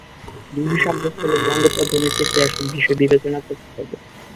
দোষী সাব্যস্ত হলে দণ্ড প্রদানের ক্ষেত্রে এসব বিষয় বিবেচনা করতে হবে।